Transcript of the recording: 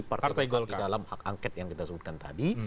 partai golkar di dalam hak angket yang kita sebutkan tadi